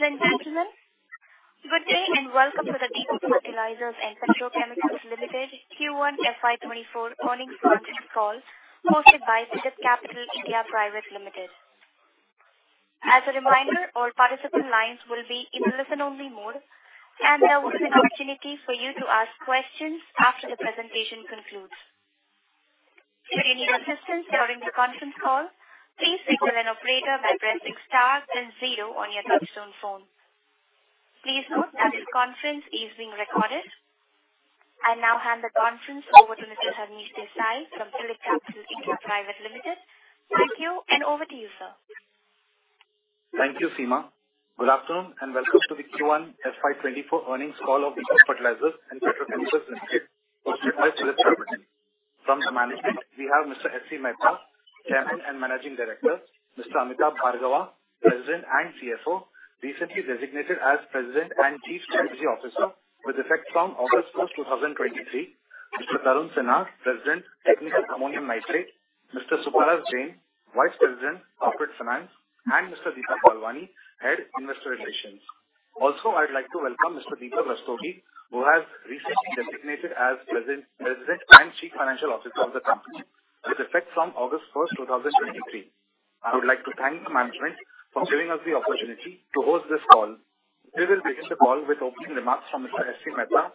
Ladies and gentlemen, good day, and welcome to the Deepak Fertilisers and Petrochemicals Limited Q1 FY24 earnings conference call, hosted by PhillipCapital India Private Limited. As a reminder, all participant lines will be in listen-only mode, and there will be an opportunity for you to ask questions after the presentation concludes. If you need assistance during the conference call, please speak with an operator by pressing star then zero on your touchtone phone. Please note that this conference is being recorded. I now hand the conference over to Mr. Harmish Desai from PhillipCapital India Private Limited. Thank you, over to you, sir. Thank you, Seema. Good afternoon, welcome to the Q1 FY24 earnings call of Deepak Fertilisers And Petrochemicals Limited, hosted by PhillipCapital. From the management, we have Mr. S.C. Mehta, Chairman and Managing Director; Mr. Amitabh Bhargava, President and CFO, recently designated as President and Chief Strategy Officer with effect from August 1, 2023; Mr. Tarun Sinha, President, Technical Ammonium Nitrate; Mr. Suparas Jain, Vice President, Corporate Finance; and Mr. Deepan Palwani, Head, Investor Relations. Also, I'd like to welcome Mr. Deepak Rastogi, who has recently been designated as President and Chief Financial Officer of the company with effect from August 1, 2023. I would like to thank the management for giving us the opportunity to host this call. We will begin the call with opening remarks from Mr. S.C. Mehta,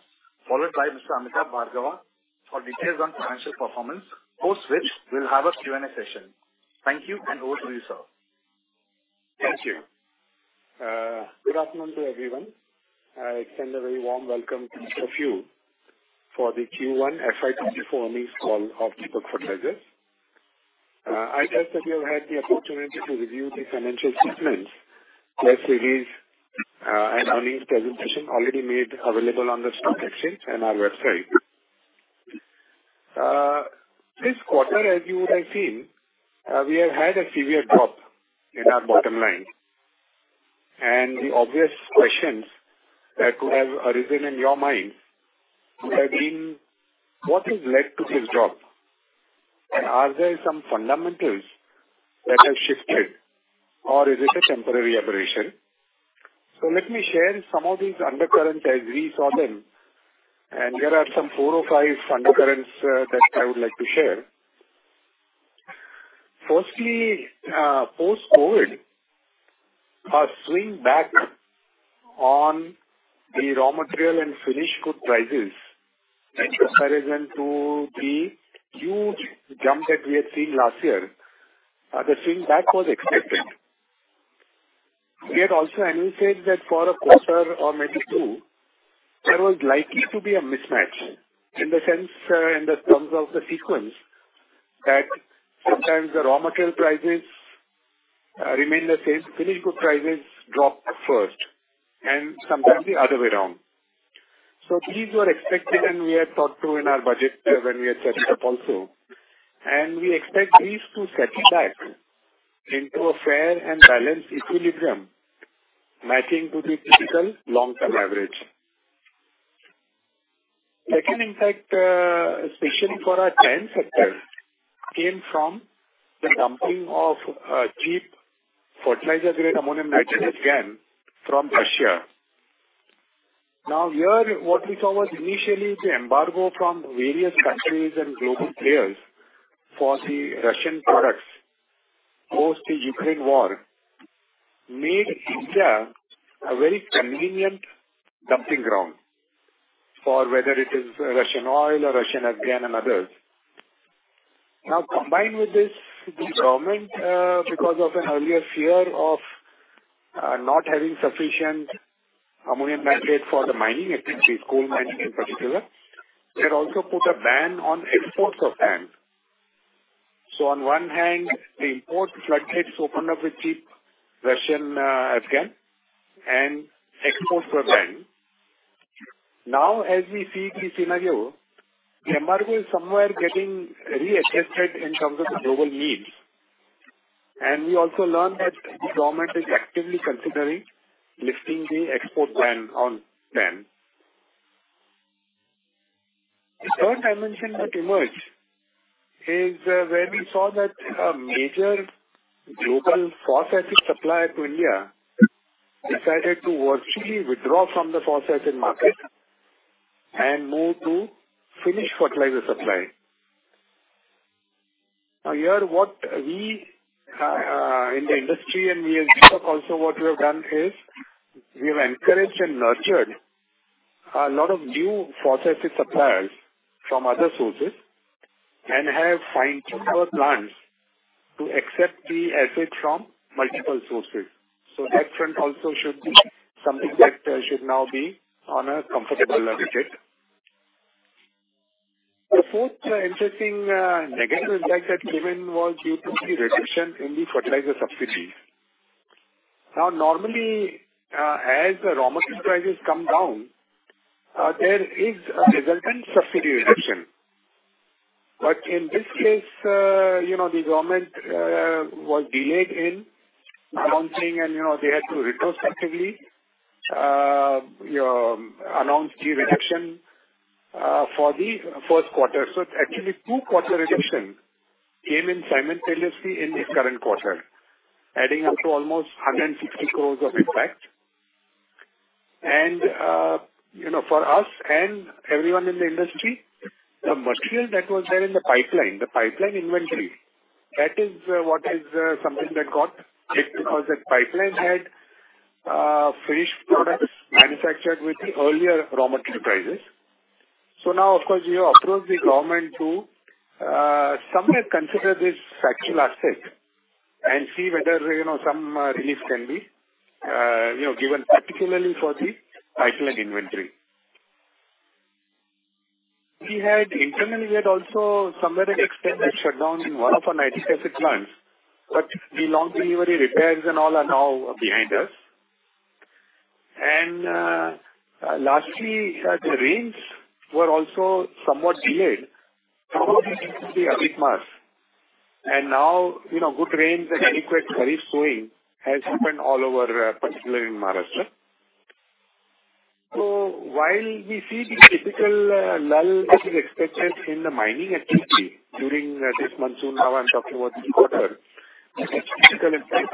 followed by Mr. Amitabh Bhargava, for details on financial performance. Post which, we'll have a Q&A session. Thank you, and over to you, sir. Thank you. good afternoon to everyone. I extend a very warm welcome to each of you for the Q1 FY24 earnings call of Deepak Fertilisers. I trust that you have had the opportunity to review the financial statements, press release, and earnings presentation already made available on the stock exchange and our website. This quarter, as you would have seen, we have had a severe drop in our bottom line, and the obvious questions that could have arisen in your mind would have been: What has led to this drop? Are there some fundamentals that have shifted, or is it a temporary aberration? Let me share some of these undercurrents as we saw them, and there are some four or five undercurrents that I would like to share. Firstly, post-COVID, a swing back on the raw material and finished good prices in comparison to the huge jump that we had seen last year, the swing back was expected. We had also indicated that for a quarter or maybe two, there was likely to be a mismatch in the sense, in the terms of the sequence, that sometimes the raw material prices, remain the same, finished good prices drop first, and sometimes the other way around. These were expected, and we had thought through in our budget when we had set it up also, and we expect these to set back into a fair and balanced equilibrium, matching to the typical long-term average. Second impact, especially for our chain sector, came from the dumping of, cheap fertilizer-grade ammonium nitrate, FGAN, from Russia. Here, what we saw was initially the embargo from various countries and global players for the Russian products post the Ukraine war made India a very convenient dumping ground for whether it is Russian oil or Russian GAN and others. Combined with this, the government, because of an earlier fear of not having sufficient ammonium nitrate for the mining activities, coal mining in particular, they had also put a ban on exports of GAN. On one hand, the import floodgates opened up with cheap Russian GAN and exports were banned. As we see the scenario, the embargo is somewhere getting readjusted in terms of the global needs, and we also learned that the government is actively considering lifting the export ban on GAN. The third dimension that emerged is where we saw that a major global phosphate supplier to India decided to virtually withdraw from the phosphate market and move to finished fertilizer supply. Here, what we in the industry and we at Deep also, what we have done is, we have encouraged and nurtured a lot of new phosphate suppliers from other sources and have fine-tuned our plants to accept the acid from multiple sources. That front also should be something that should now be on a comfortable wicket. The fourth interesting negative impact that came in was due to the reduction in the fertilizer subsidies. Normally, as the raw material prices come down, there is a resultant subsidy reduction. In this case, you know, the government, was delayed in announcing, and, you know, they had to retrospectively, you know, announce the reduction for the first quarter. Actually, two quarter reduction came in simultaneously in this current quarter, adding up to almost 160 crores of impact. You know, for us and everyone in the industry, the material that was there in the pipeline, the pipeline inventory, that is, what is, something that got hit because that pipeline had, finished products manufactured with the earlier raw material prices. Now, of course, we approach the government to somewhere consider this factual asset and see whether, you know, some relief can be, you know, given particularly for the pipeline inventory. We had internally, we had also somewhere had extended shutdown in one of our nitrogen plants, the long delivery repairs and all are now behind us. Lastly, the rains were also somewhat delayed, and now, you know, good rains and adequate rainfall has happened all over, particularly in Maharashtra. While we see the typical lull that is expected in the mining activity during this monsoon, now I'm talking about this quarter,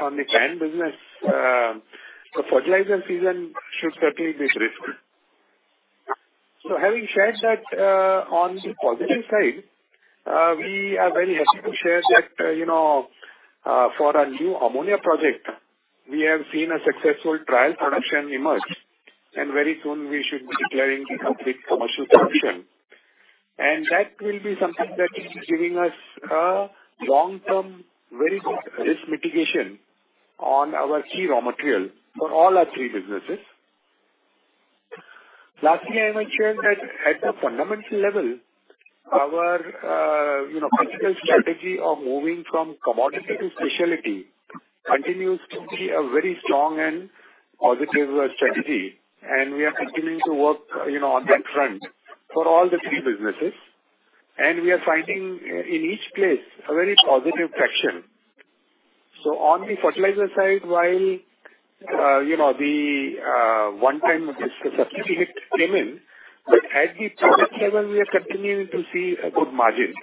on the TAN business, the fertilizer season should certainly be brisk. Having said that, on the positive side, we are very happy to share that, you know, for our new ammonia project, we have seen a successful trial production emerge, and very soon we should be declaring the complete commercial production. That will be something that is giving us a long-term, very good risk mitigation on our key raw material for all our three businesses. Lastly, I might share that at the fundamental level, our, you know, critical strategy of moving from commodity to specialty continues to be a very strong and positive strategy, and we are continuing to work, you know, on that front for all the three businesses. We are finding in each place a very positive traction. On the fertilizer side, while, you know, the one time this subsidy hit came in, but at the product level, we are continuing to see a good margin.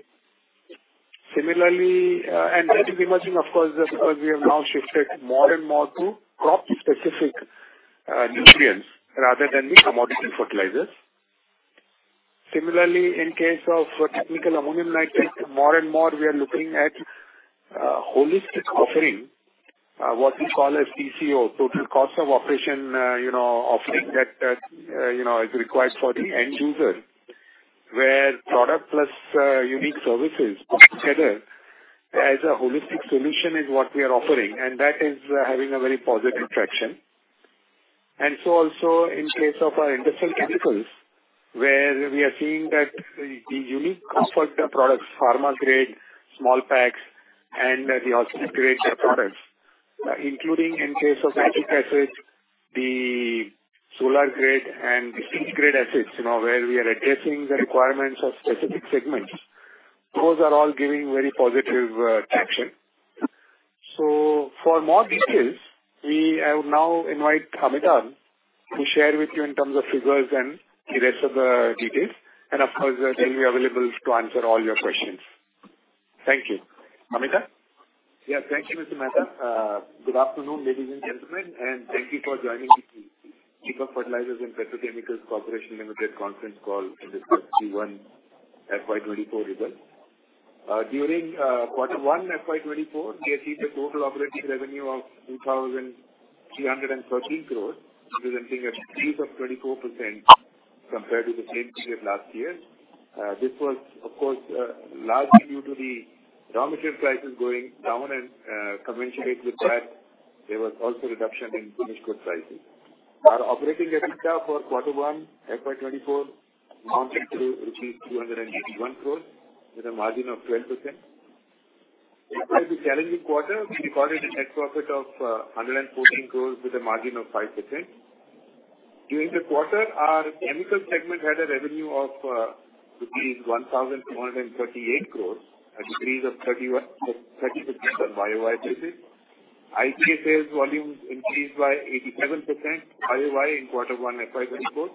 Similarly, and that is emerging, of course, because we have now shifted more and more to crop-specific nutrients rather than the commodity fertilizers. Similarly, in case of Technical Ammonium Nitrate, more and more we are looking at holistic offering, what we call a TCO, Total Cost of Operation, you know, offering that you know is required for the end user, where product plus unique services together as a holistic solution is what we are offering, and that is having a very positive traction. So also in case of our industrial chemicals, where we are seeing that the unique comfort products, pharma grade, small packs, and the oxygen grade products, including in case of acids, the solar grade and the food grade acids, you know, where we are addressing the requirements of specific segments. Those are all giving very positive traction. For more details, I would now invite Amitabh to share with you in terms of figures and the rest of the details. Of course, then we're available to answer all your questions. Thank you. Amitabh? Thank you, Mr. Mehta. Good afternoon, ladies and gentlemen, and thank you for joining the Deepak Fertilisers And Petrochemicals Corporation Limited conference call for the Q1 FY24 result. During Q1 FY24, we achieved a total operating revenue of 2,313 crore, representing a decrease of 24% compared to the same period last year. This was, of course, largely due to the raw material prices going down and commensurate with that, there was also a reduction in finished good prices. Our operating EBITDA for Q1 FY24 amounted to 281 crore, with a margin of 12%. It was a challenging quarter. We recorded a net profit of 114 crores, with a margin of 5%. During the quarter, our chemical segment had a revenue of rupees 1,238 crores, a decrease of 31% on YOY basis. IPA sales volumes increased by 87% YOY in Q1 FY24,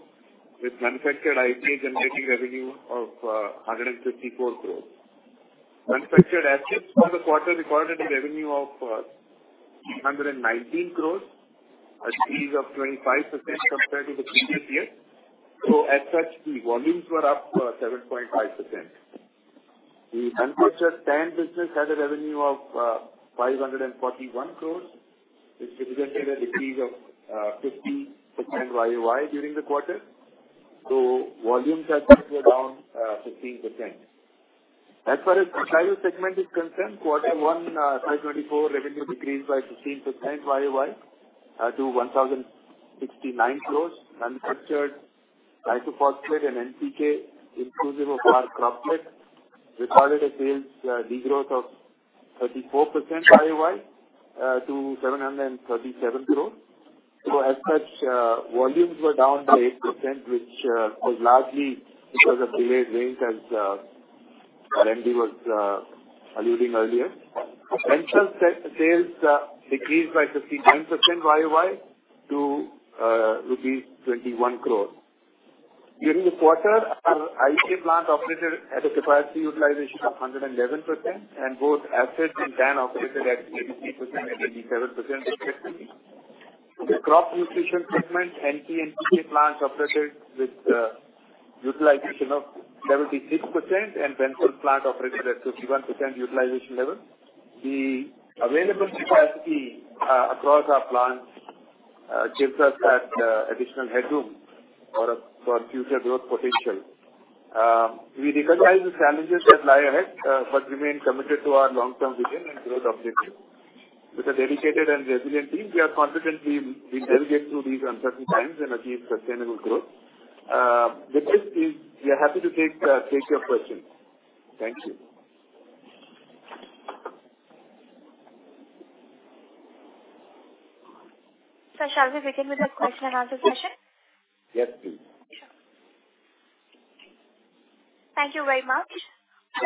with manufactured IPA generating revenue of INR 154 crores. Manufactured acids for the quarter recorded a revenue of INR 119 crores, a decrease of 25% compared to the previous year. As such, the volumes were up 7.5%. The manufactured sand business had a revenue of 541 crores, which represented a decrease of 50% YOY during the quarter. Volumes are actually down 15%. As far as the title segment is concerned, Q1 FY24 revenue decreased by 15% YoY to 1,069 crores. Manufactured nitrophosphate and NPK, inclusive of our crop mix, recorded a sales degrowth of 34% YoY to 737 crores. As such, volumes were down by 8%, which was largely because of delayed rains, as R&D was alluding earlier. Bensulf sales decreased by 59% YoY to rupees 21 crore. During the quarter, our IPA plant operated at a capacity utilization of 111%, and both acid and TAN operated at 83% and 87% respectively. The crop nutrition segment, NP and NPK plants operated with utilization of 76%, and Bensulf plant operated at 51% utilization level. The available capacity, across our plants, gives us that additional headroom for, for future growth potential. We recognize the challenges that lie ahead, but remain committed to our long-term vision and growth objective. With a dedicated and resilient team, we are confidently we'll navigate through these uncertain times and achieve sustainable growth. With this, we, we are happy to take, take your questions. Thank you. Shall we begin with the question and answer session? Yes, please. Sure. Thank you very much.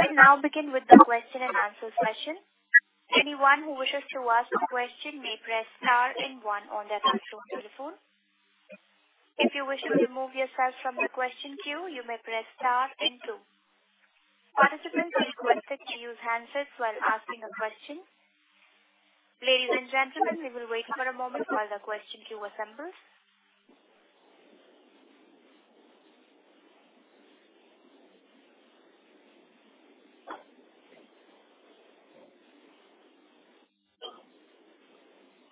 We now begin with the Question and Answer Session. Anyone who wishes to ask a question may press star and one on their touchtone phone. If you wish to remove yourself from the question queue, you may press star and two. Participants are requested to use handsets while asking a question. Ladies and gentlemen, we will wait for a moment while the question queue assembles.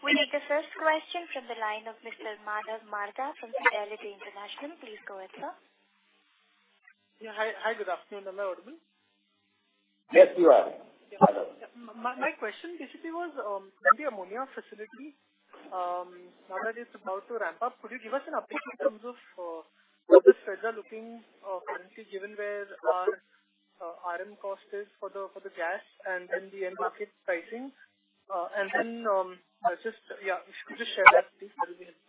We take the first question from the line of Mr. Madhav Marda from Fidelity International. Please go ahead, sir. Yeah. Hi. Hi, good afternoon, am I audible? Yes, you are. My, my question basically was, the ammonia facility, now that it's about to ramp up, could you give us an update in terms of how the spreads are looking currently, given where our RM cost is for the gas and then the end market pricing? Then, just yeah, if you could just share that, please, that would be helpful.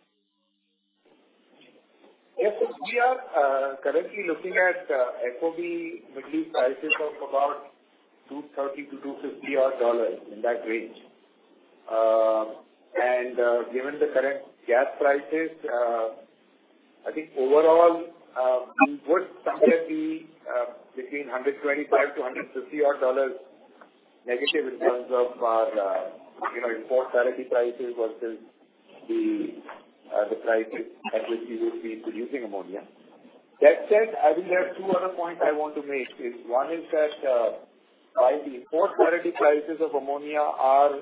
Yes, we are currently looking at FOB Middle East prices of about $230-$250 odd dollars, in that range. Given the current gas prices, I think overall, we would somewhere be between $125-$150 odd dollars negative in terms of our, you know, import parity prices versus the prices at which we would be producing ammonia. That said, I will have two other points I want to make is, one is that, while the import parity prices of ammonia are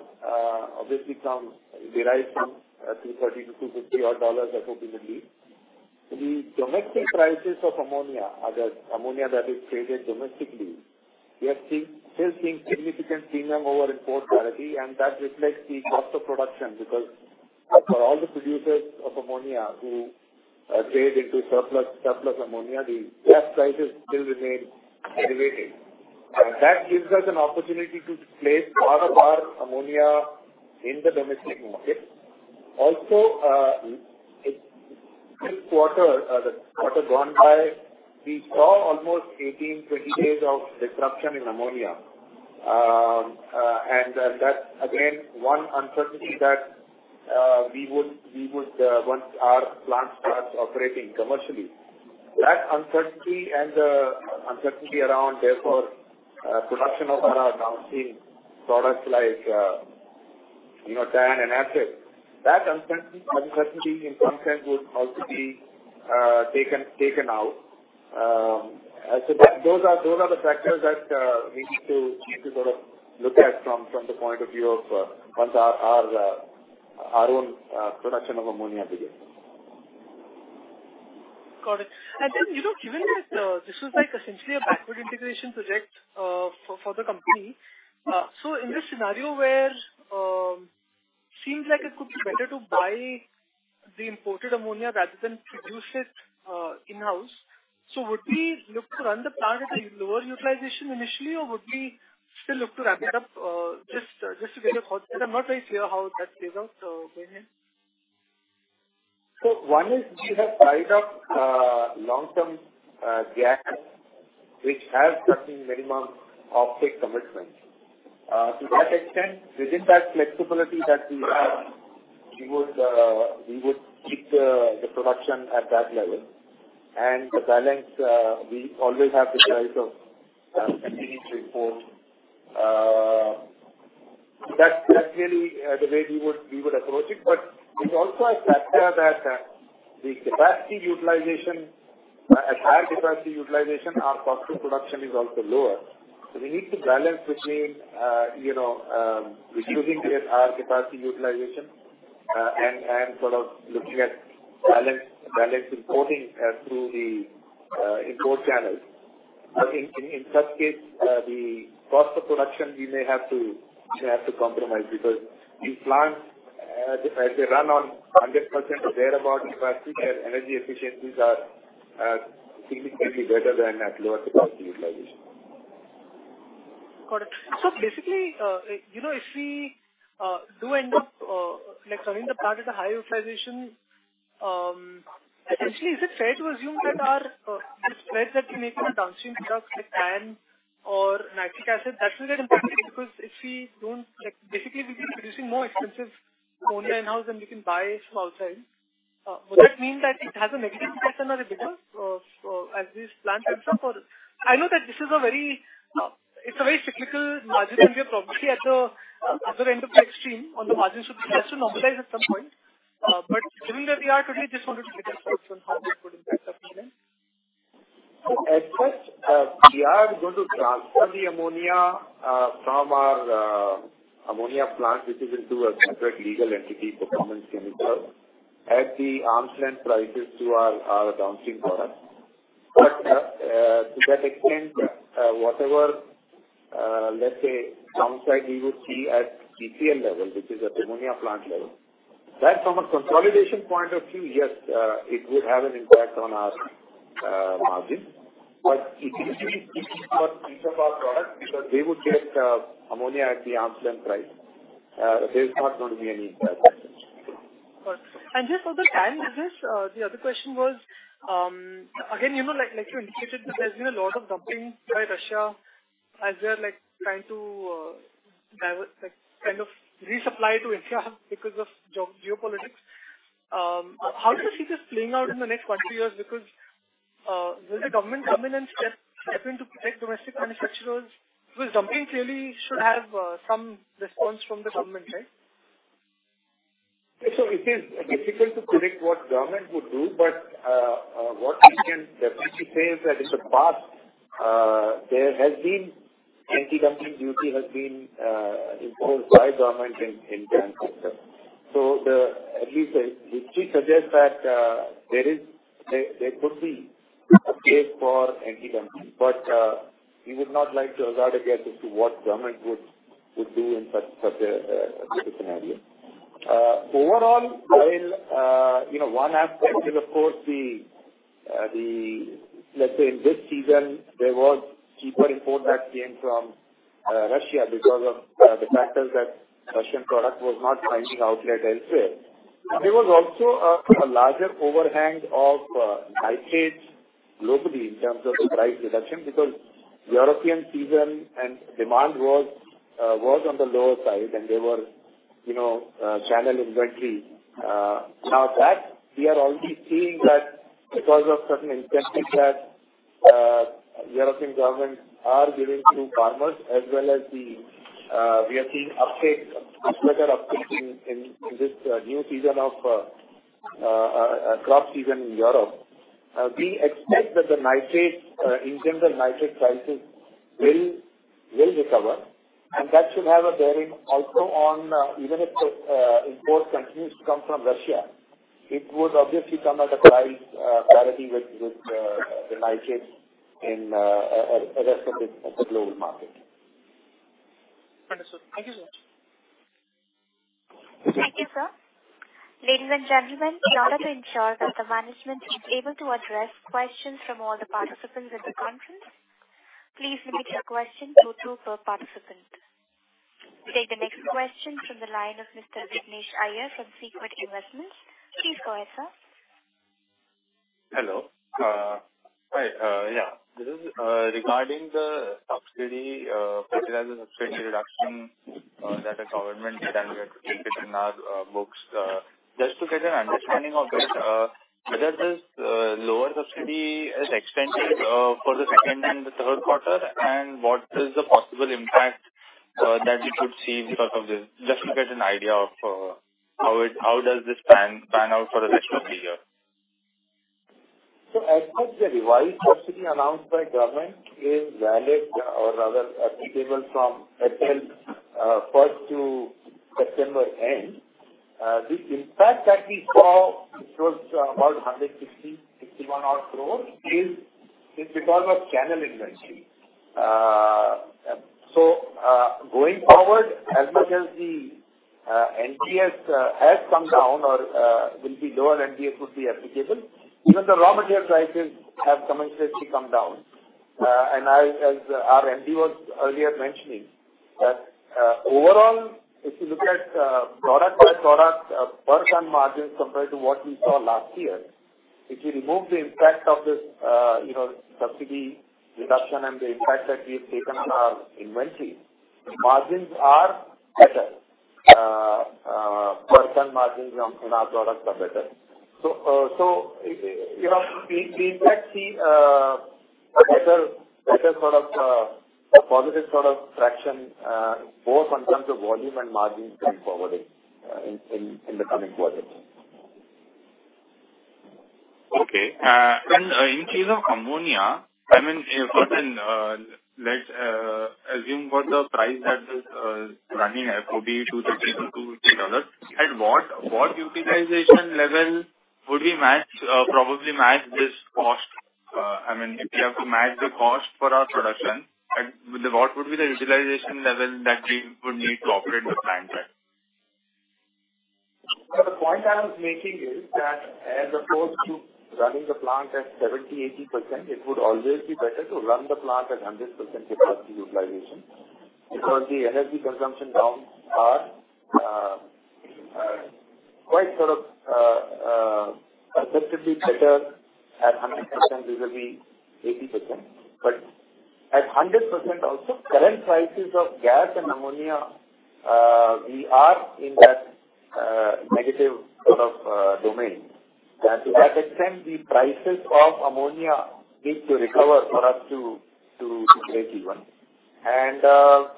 obviously come, derived from $230-$250 odd dollars, approximately. The domestic prices of ammonia are the ammonia that is traded domestically. We are still seeing significant premium over import parity, that reflects the cost of production, because for all the producers of ammonia who trade into surplus, surplus ammonia, the gas prices still remain elevated. That gives us an opportunity to place more of our ammonia in the domestic market. Also, this quarter, the quarter gone by, we saw almost 18, 20 days of disruption in ammonia. That again, one uncertainty that we would, we would, once our plant starts operating commercially. That uncertainty and the uncertainty around therefore, production of our downstream products like, you know, TAN and acid, that uncertainty in some sense would also be taken, taken out. Those are, those are the factors that, we need to sort of look at from, from the point of view of, once our, our, our own, production of ammonia begins. Got it. Then, you know, given that, this was like essentially a backward integration project, for, for the company, in this scenario where, seems like it could be better to buy the imported ammonia rather than produce it, in-house. Would we look to run the plant at a lower utilization initially, or would we still look to ramp it up? Just, just to get a thought, I'm not very clear how that plays out, in here. One is we have tied up long-term gas, which has certain minimum off-take commitments. To that extent, within that flexibility that we have, we would we would keep the production at that level. The balance, we always have the choice of continuing to import. That's that's really the way we would we would approach it. It's also a factor that the capacity utilization at higher capacity utilization, our cost of production is also lower. We need to balance between, you know, reducing the our capacity utilization and sort of looking at balance, balance importing through the import channels. I think in such case, the cost of production, we may have to compromise because the plants, as they run on 100% or thereabout capacity, their energy efficiencies are significantly better than at lower capacity utilization. Got it. Basically, you know, if we do end up like running the plant at a high utilization, essentially, is it fair to assume that our the spreads that we make on the downstream products like TAN or nitric acid, that will get impacted? If we don't, like, basically, we'll be producing more expensive ammonia in-house than we can buy from outside. Would that mean that it has a negative impact on our business, as this plant comes up or...? I know that this is a very, it's a very cyclical margin, and we're probably at the other end of the extreme on the margins, so we have to normalize at some point. Given where we are today, just wanted to get your thoughts on how we put in that sentiment. At first, we are going to transfer the ammonia from our ammonia plant, which is into a separate legal entity for common chemical, at the arm's length prices to our, our downstream products. To that extent, whatever, let's say, downside we would see at PCL level, which is at the ammonia plant level, from a consolidation point of view, yes, it would have an impact on our margin. If you look at each of our products, because they would get ammonia at the arm's length price, there's not going to be any impact. Got it. Just for the time, because, the other question was, again, you know, like, like you indicated, that there's been a lot of dumping by Russia as they're, like, trying to, like, kind of resupply to India because of geopolitics. How do you see this playing out in the next one, two years? Will the government come in and step, step in to protect domestic manufacturers? Dumping clearly should have, some response from the government, right? It is difficult to predict what government would do, but what we can definitely say is that in the past, anti-dumping duty has been imposed by government in turn. At least it suggests that there could be a case for anti-dumping, but we would not like to hazard a guess as to what government would do in such a scenario. Overall, I'll, you know, one aspect is, of course, Let's say, in this season, there was cheaper import that came from Russia because of the factor that Russian product was not finding outlet elsewhere. There was also a larger overhang of nitrates globally in terms of the price reduction, because European season and demand was on the lower side and there were, you know, channel inventory. Now that we are already seeing that because of certain incentives that European governments are giving to farmers as well as the, we are seeing uptake, better uptake in this new season of crop season in Europe. We expect that the nitrates, in general, nitrate prices will recover, and that should have a bearing also on, even if the import continues to come from Russia, it would obviously come at a price parity with the nitrates in rest of the global market. Understood. Thank you so much. Thank you, sir. Ladies and gentlemen, in order to ensure that the management is able to address questions from all the participants in the conference, please limit your question to two per participant. We take the next question from the line of Mr. Vignesh Iyer from Sequit Investments. Please go ahead, sir. Hello. This is regarding the subsidy, fertilizer subsidy reduction that the government had undertaken in our books. Just to get an understanding of this, whether this lower subsidy is extended for the second and the third quarter, and what is the possible impact that we could see because of this? Just to get an idea of how it, how does this pan out for the rest of the year. As per the revised subsidy announced by government is valid or rather applicable from April 1st to September-end. The impact that we saw, it was about 161 odd crores, is it because of channel inventory? Going forward, as much as the NBS has come down or will be lower NBS would be applicable, even the raw material prices have commensurately come down. As our MD was earlier mentioning, that overall, if you look at product by product, per ton margins compared to what we saw last year, if you remove the impact of this, you know, fertilizer subsidy reduction and the impact that we've taken on our inventory, the margins are better. Per ton margins on, in our products are better. So, you know, we, we in fact see, a better, better sort of, a positive sort of traction, both in terms of volume and margins going forward in, in, in, in the coming quarters. Okay. In case of ammonia, I mean, if, let's assume what the price that is running at could be $2 to $2 to $3, at what, what utilization level would we match, probably match this cost? I mean, if we have to match the cost for our production, what would be the utilization level that we would need to operate the plant at? The point I was making is that as opposed to running the plant at 70-80%, it would always be better to run the plant at 100% capacity utilization, because the energy consumption down are, quite sort of, effectively better. At 100%, this will be 80%. But at 100% also, current prices of gas and ammonia, we are in that, negative sort of, domain. To that extent, the prices of ammonia need to recover for us to, to, to break even.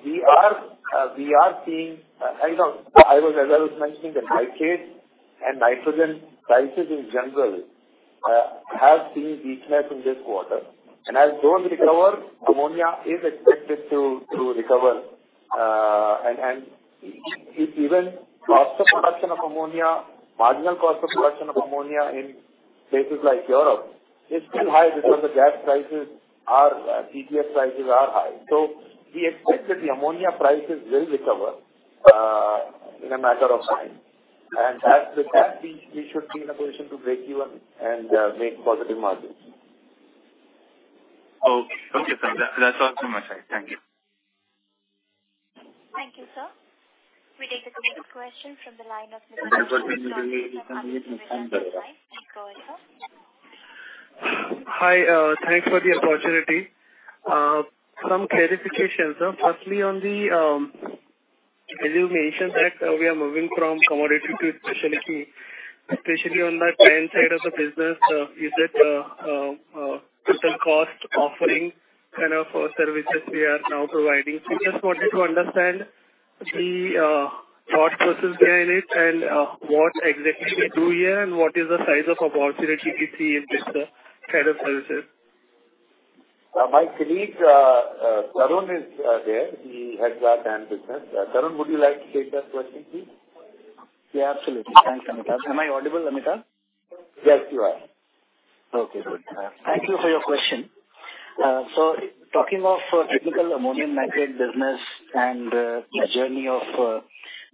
We are, we are seeing, you know, I was, as I was mentioning, the nitrate and nitrogen prices in general, have seen weakness in this quarter. As those recover, ammonia is expected to, to recover, and, and if even cost of production of ammonia, marginal cost of production of ammonia in places like Europe is still high because the gas prices are, GPS prices are high. We expect that the ammonia prices will recover, in a matter of time, and as with that, we, we should be in a position to break even and, make positive margins. Okay. Okay, sir. That, that's all from my side. Thank you. Thank you, sir. We take the next question from the line of. [inaudible] Hi, thanks for the opportunity. Some clarifications. Firstly, on the, as you mentioned, that we are moving from commodity to specialty, especially on the client side of the business, you said, total cost offering kind of services we are now providing. I just wanted to understand the thought process behind it and what exactly we do here, and what is the size of opportunity we see in this kind of services? My colleague, Tarun is there. He heads our plan business. Tarun, would you like to take that question, please? Yeah, absolutely. Thanks, Amitabh. Am I audible, Amitabh? Yes, you are. Okay, good. Thank you for your question. Talking of Technical Ammonium Nitrate business and the journey of,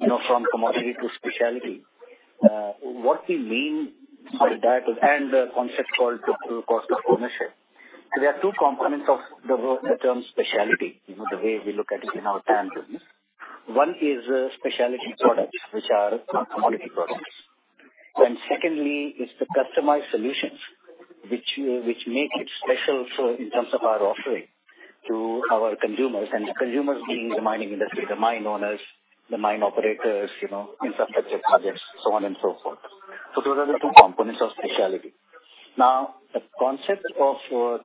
you know, from commodity to specialty, what we mean by that and the concept called Total Cost of Ownership. There are two components of the term specialty, you know, the way we look at it in our plan business. One is specialty products, which are not commodity products. Secondly, is the customized solutions, which make it special, so in terms of our offering to our consumers, the consumers being the mining industry, the mine owners, the mine operators, you know, infrastructure targets, so on and so forth. Those are the two components of specialty. Now, the concept of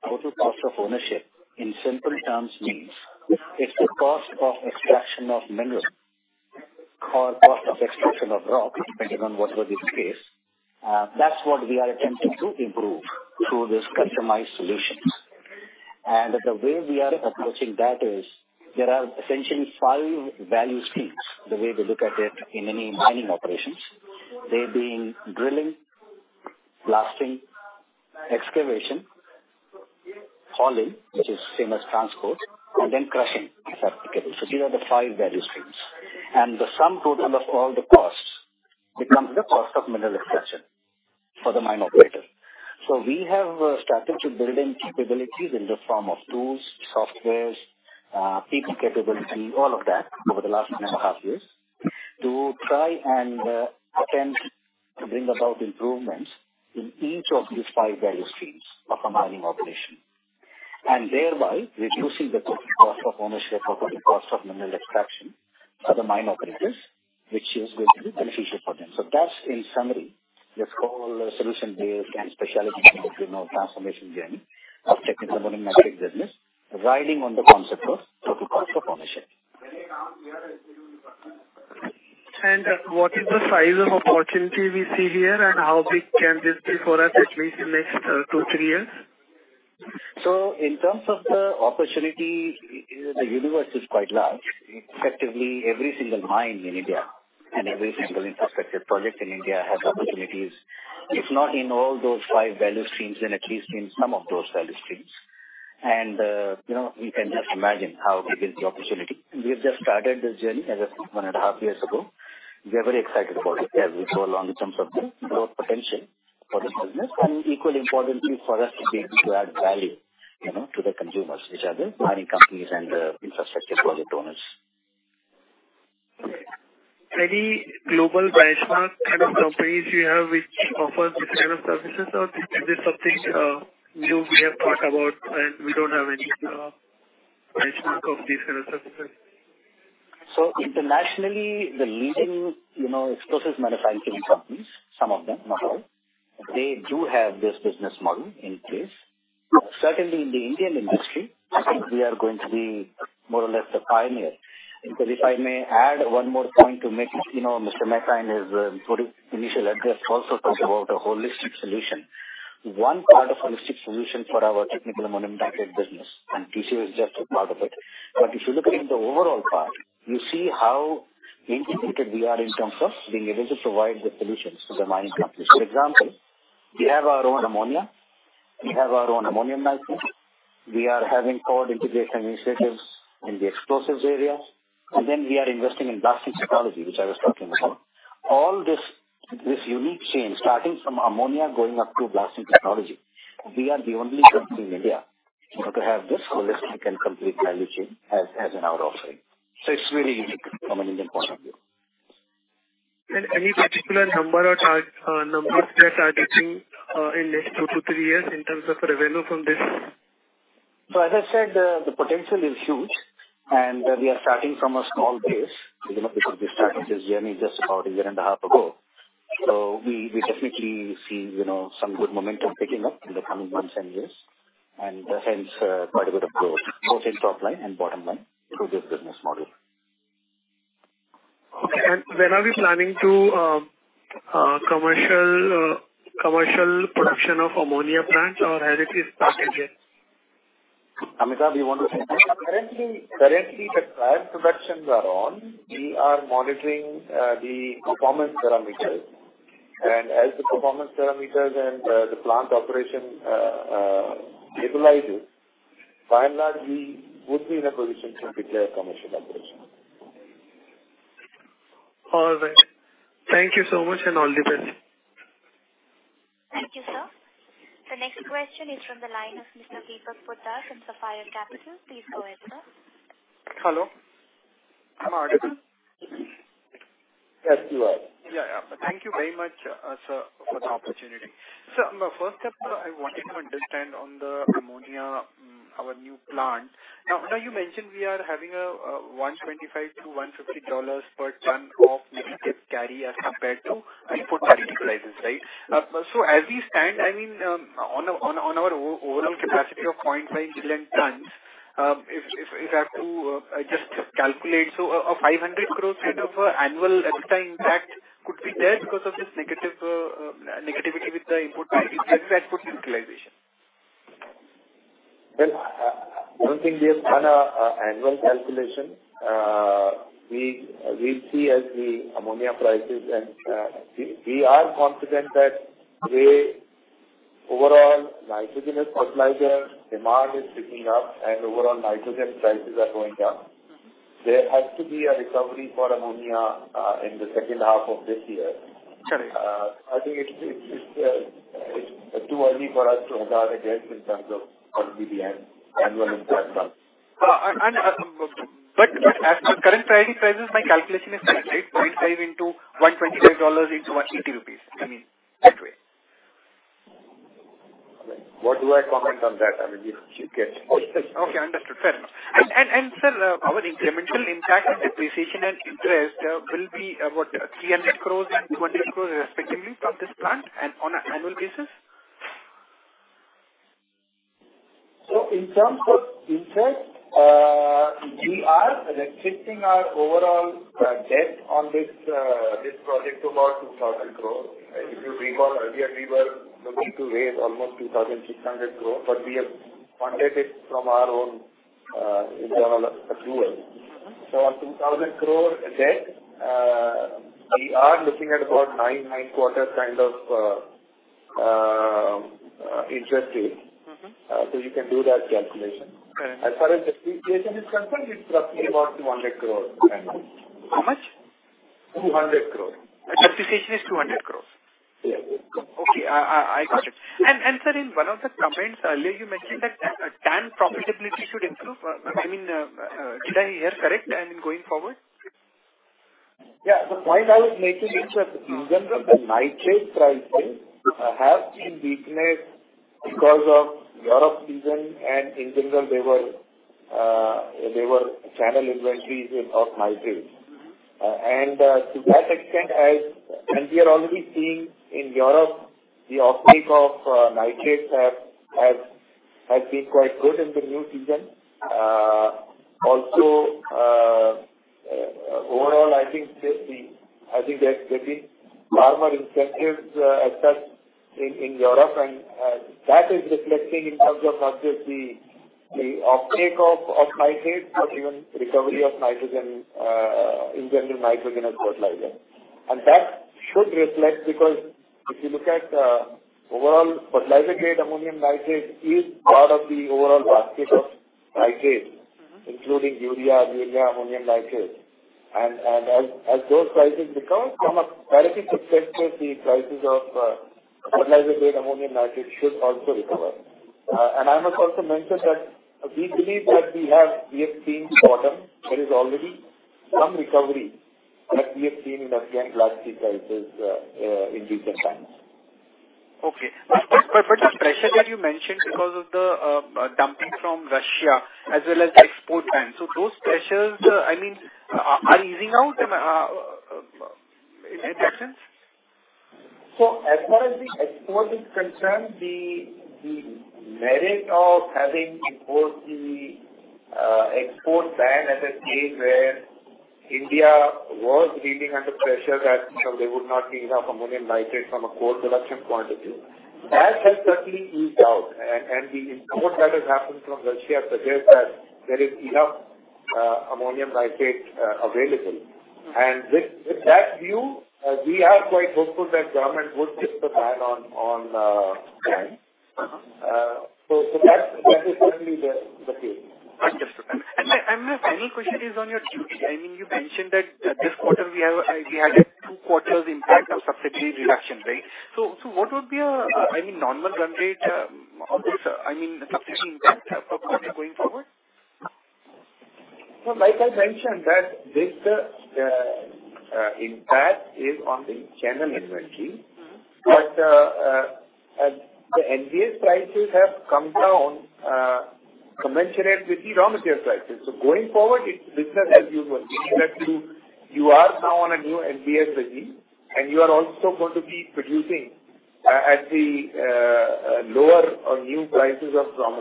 total cost of ownership, in simple terms means, it's the cost of extraction of mineral or cost of extraction of rock, depending on what was the case. That's what we are attempting to improve through this customized solutions. The way we are approaching that is, there are essentially five value streams, the way we look at it in any mining operations. They being drilling, blasting, excavation, hauling, which is same as transport, and then crushing, if applicable. These are the five value streams. The sum total of all the costs becomes the cost of mineral extraction for the mine operator. We have started to build in capabilities in the form of tools, softwares, people capability, all of that over the last one and a half years, to try and attempt to bring about improvements in each of these five value streams of a mining operation, and thereby reducing the total cost of ownership or the cost of mineral extraction for the mine operators, which is going to be beneficial for them. That's in summary, this whole solution-based and specialty, you know, transformation journey of Technical Ammonium Nitrate business, riding on the concept of total cost of ownership. What is the size of opportunity we see here, and how big can this be for us, at least in the next 2-3 years? In terms of the opportunity, the universe is quite large. Effectively, every single mine in India and every single infrastructure project in India has opportunities, if not in all those five value streams, then at least in some of those value streams. You know, you can just imagine how big is the opportunity. We've just started this journey as of 1.5 years ago. We are very excited about it as we go along in terms of the growth potential for this business, and equally importantly, for us to be able to add value, you know, to the consumers, which are the mining companies and the infrastructure project owners. Any global benchmark kind of companies you have which offer this kind of services, or is this something new we have thought about and we don't have any benchmark of these kind of services? Internationally, the leading, you know, explosives manufacturing companies, some of them, not all, they do have this business model in place. Certainly in the Indian industry, I think we are going to be more or less a pioneer. If I may add one more point to make, you know, Mr. Mehta, in his initial address, also talked about a holistic solution. One part of holistic solution for our technical ammonium nitrate business, and TCO is just a part of it. If you look at it in the overall part, you see how integrated we are in terms of being able to provide the solutions to the mining companies. We have our own ammonia. We have our own ammonium nitrate. We are having forward integration initiatives in the explosives area, and then we are investing in blasting technology, which I was talking about. All this, this unique chain, starting from ammonia, going up to blasting technology, we are the only company in India to have this holistic and complete value chain as an out offering. It's really unique from an Indian point of view. Any particular number or chart, numbers that are reaching, in next 2-3 years in terms of revenue from this? As I said, the, the potential is huge, and we are starting from a small base. You know, we started this journey just about a year and a half ago. We, we definitely see, you know, some good momentum picking up in the coming months and years, and hence, quite a bit of growth, both in top line and bottom line, through this business model. Okay. When are we planning to commercial production of ammonia plants, or has it started yet? Amitabh, you want to say? Currently, currently, the plant productions are on. We are monitoring, the performance parameters. As the performance parameters and, the plant operation, stabilize, by and large, we would be in a position to declare commercial operation. All right. Thank you so much, and all the best. Thank you, sir. The next question is from the line of Mr. Deepak Poddar from Sapphire Capital. Please go ahead, sir. Hello? Am I audible? Yes, you are. Yeah, yeah. Thank you very much, sir, for the opportunity. First up, I wanted to understand on the ammonia, our new plant. Now, you mentioned we are having a $125-$150 per ton of negative carry as compared to import prices, right? As we stand, I mean, on our overall capacity of 0.5 million tons, if I have to just calculate, an 500 crore kind of annual impact could be there because of this negative negativity with the import and export utilization. Well, I don't think we have done a annual calculation. we'll see as the ammonia prices and. We are confident that the overall nitrogenous fertilizer demand is picking up and overall nitrogen prices are going up. There has to be a recovery for ammonia in the second half of this year. Correct. I think it's, it's, it's too early for us to hazard a guess in terms of what will be the annual impact on. As for current pricing prices, my calculation is correct, right? 0.5 into $125 into 180 rupees. I mean, that way. What do I comment on that? I mean, you get... Okay, understood. Fair enough. And, and, sir, our incremental impact, depreciation, and interest, will be about 300 crores and 200 crores respectively from this plant and on an annual basis? In terms of interest, we are restricting our overall debt on this project to about 2,000 crore. If you recall, earlier we were looking to raise almost 2,600 crore, but we have funded it from our own internal resources. On 2,000 crore debt, we are looking at about nine, nine quarter kind of interest rate. Mm-hmm. You can do that calculation. Correct. As far as depreciation is concerned, it's roughly about 200 crore annually. How much? 200 crore. Depreciation is 200 crore? Yes. Okay, I got it. And, sir, in one of the comments earlier, you mentioned that, TAN profitability should improve. I mean, did I hear correct, I mean, going forward? Yeah. The point I was making is that in general, the nitrate prices have been weakness because of European season, and in general, there were, there were channel inventories of nitrates. Mm-hmm. are already seeing in Europe the off-take of nitrates has been quite good in the new season. Also, overall, I think there's been farmer incentives assessed in Europe, and that is reflecting in terms of not just the uptake of nitrates, but even recovery of nitrogen, in general, nitrogen as fertilizer. And that should reflect, because if you look at overall fertilizer-grade ammonium nitrate is part of the overall basket of nitrates Mm-hmm. -including urea, urea, ammonium nitrate. As, as those prices recover from a parity perspective, the prices of fertilizer-grade ammonium nitrate should also recover. I must also mention that we believe that we have, we have seen bottom. There is already some recovery that we have seen in the Indian plastic prices in recent times. Okay. The pressure that you mentioned because of the dumping from Russia as well as the export ban. Those pressures, I mean, are, are easing out in that sense? As far as the export is concerned, the merit of having imposed the export ban at a stage where India was really under pressure that, you know, they would not need enough ammonium nitrate from a cold production point of view, that has certainly eased out. The import that has happened from Russia suggests that there is enough ammonium nitrate available. With that view, we are quite hopeful that government would keep the ban on gas. Uh-huh. So that, that is certainly the, the case. Understood. My final question is on your duty. I mean, you mentioned that this quarter we have, we added 2 quarters impact of subsidy reduction, right? What would be, I mean, normal run rate, of this, I mean, the subsidy impact, probably going forward? Well, like I mentioned that this impact is on the channel inventory. Mm-hmm. As the NBS prices have come down, commensurate with the raw material prices. Going forward, it's business as usual, meaning that you, you are now on a new NBS regime, and you are also going to be producing at the lower or new prices of raw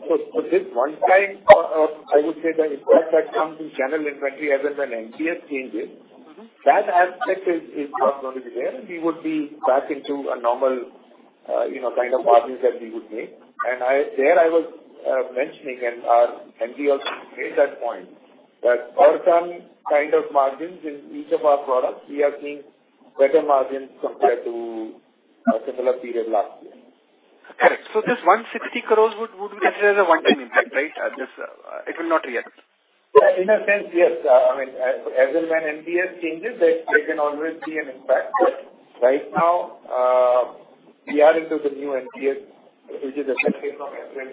material. This one time, I would say the impact that comes in channel inventory as and when NBS changes. Mm-hmm. -that aspect is, is not going to be there, and we would be back into a normal, you know, kind of margins that we would make. There I was mentioning and we also made that point, that for some kind of margins in each of our products, we are seeing better margins compared to a similar period last year. Correct. This 160 crore would be considered a one-time impact, right? Just, it will not reoccur. In a sense, yes. I mean, as, as when MBS changes, there, there can always be an impact. Right now, we are into the new MBS, which is effective from April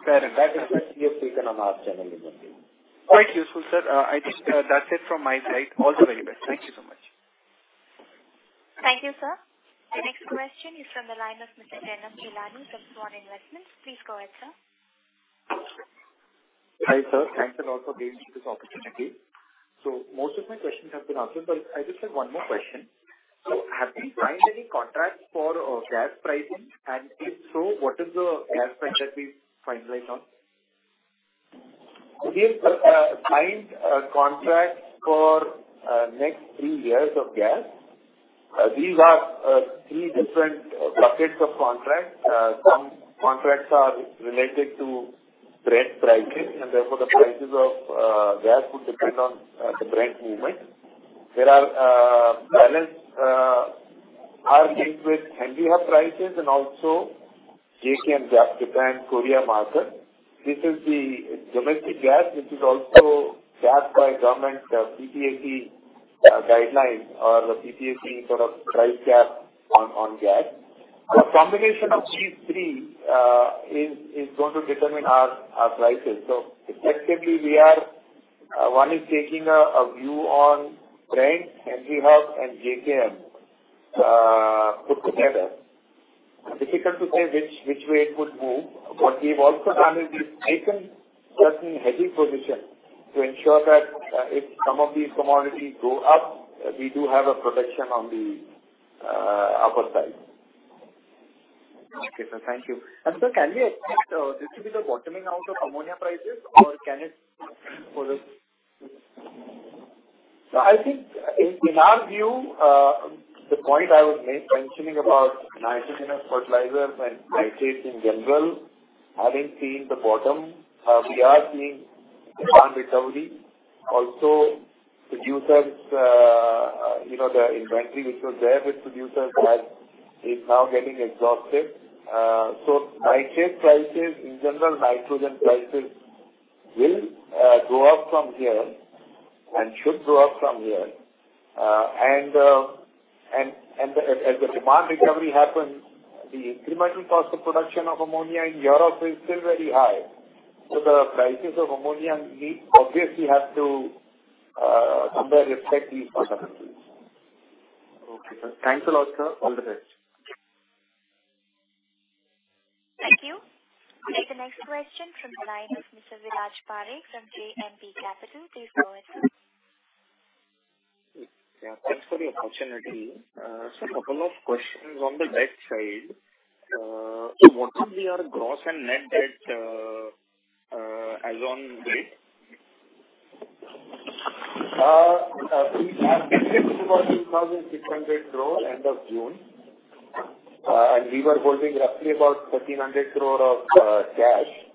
2021. Fair enough. That impact we have taken on our channel inventory. Quite useful, sir. I think, that's it from my side. All the very best. Thank you so much. Thank you, sir. The next question is from the line of Mr. Renam Gilanu from Swan Investments. Please go ahead, sir. Hi, sir. Thanks a lot for giving me this opportunity. Most of my questions have been answered, but I just have one more question. Have you signed any contracts for gas pricing? If so, what is the aspect that we finalize on? We've signed contracts for next three years of gas. These are three different buckets of contracts. Some contracts are related to Brent pricing, and therefore, the prices of gas would depend on the Brent movement. There are balance are linked with Henry Hub prices and also JKM, Japan, Korea market. This is the domestic gas, which is also capped by government, PPAC guidelines or the PPAC sort of price cap on gas. The combination of these three is going to determine our prices. Effectively, we are one is taking a view on Brent, Henry Hub and JKM put together. Difficult to say which, which way it could move, but we've also taken certain hedging positions to ensure that if some of these commodities go up, we do have a protection on the upper side. Okay, sir. Thank you. Sir, can we expect this to be the bottoming out of ammonia prices, or can it further? I think in, in our view, the point I was mentioning about nitrogen as fertilizer and nitrates in general, having seen the bottom, we are seeing demand recovery. Producers, you know, the inventory which was there with producers has, is now getting exhausted. Nitrate prices, in general, nitrogen prices will go up from here and should go up from here. As the demand recovery happens, the incremental cost of production of ammonia in Europe is still very high. The prices of ammonia obviously have to somehow reflect these fundamentals. Okay, sir. Thanks a lot, sir. All the best. Thank you. The next question from the line of Mr. Viraj Parekh from JMP Capital. Please go ahead, sir. Yeah, thanks for the opportunity. A couple of questions on the debt side. What would be our gross and net debt as on date? We have debt about 2,600 crore end of June, and we were holding roughly about 1,300 crore of cash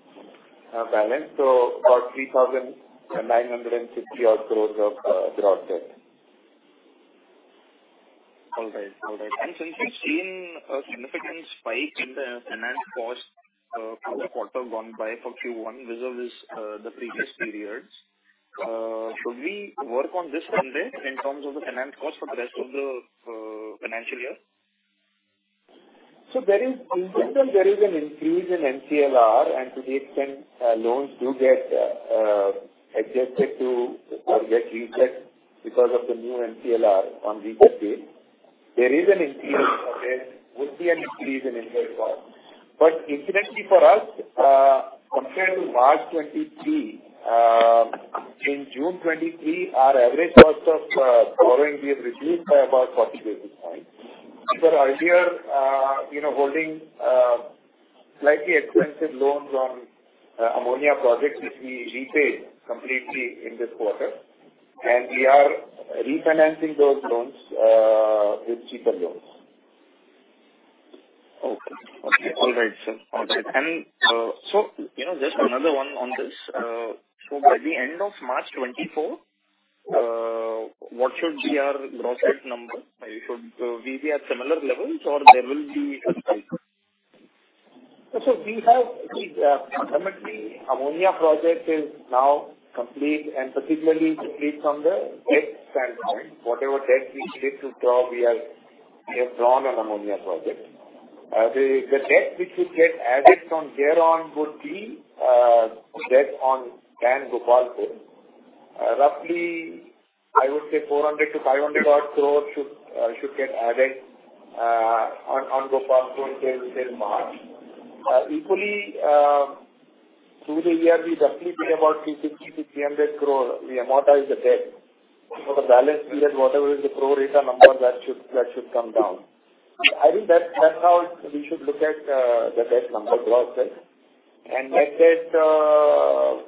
balance, so about 3,960 odd crore of gross debt. All right. All right. Since we've seen a significant spike in the finance cost, for the quarter gone by for Q1 versus, the previous periods, should we work on this front then in terms of the finance cost for the rest of the financial year? There is an increase in MCLR, and to the extent loans do get adjusted to or get reset because of the new MCLR on weekday. There is an increase, there would be an increase in interest cost. Incidentally for us, compared to March 2023, in June 2023, our average cost of borrowing being reduced by about 40 basis points. These are earlier, you know, holding slightly expensive loans on ammonia projects, which we repaid completely in this quarter, and we are refinancing those loans with cheaper loans. ... All right, sir. All right. You know, just another one on this. By the end of March 2024, what should be our gross debt number? Should we be at similar levels or there will be... We have the ultimately, ammonia project is now complete and particularly complete from the debt standpoint. Whatever debt we need to draw, we have, we have drawn on ammonia project. The debt which we get added from there on would be debt on and Gopalpur. Roughly, I would say 400 crore-500 crore should get added on Gopalpur till March. Equally, through the year, we definitely pay about 250 crore-300 crore. We amortize the debt. For the balance period, whatever is the pro rata number, that should, that should come down. I think that, that's how we should look at the debt number gross, right? Net debt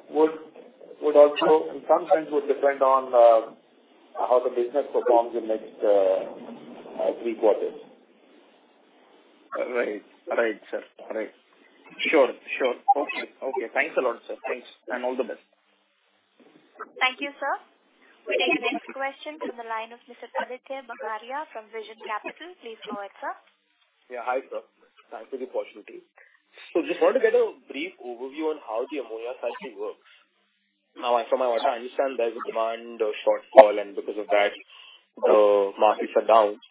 would also sometimes would depend on how the business performs in next three quarters. Right. Right, sir. Right. Sure. Sure. Okay. Okay. Thanks a lot, sir. Thanks. All the best. Thank you, sir. We take the next question from the line of Mr. Paritosh Bajoria from Vision Capital. Please go ahead, sir. Yeah. Hi, sir. Thanks for the opportunity. Just want to get a brief overview on how the ammonia cycle works. From what I understand, there's a demand or shortfall, and because of that, the markets are down.